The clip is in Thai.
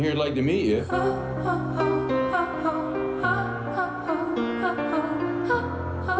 จะได้เจอเราไหม